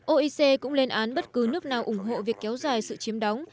oec cũng lên án bất cứ nước nào ủng hộ việc kéo dài sự chiếm đóng